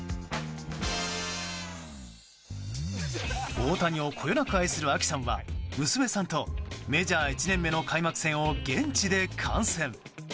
大谷をこよなく愛するＡＫＩさんは、娘さんとメジャー１年目の開幕戦を現地で観戦。